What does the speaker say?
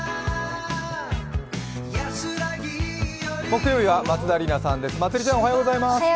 木曜日は松田里奈さんです。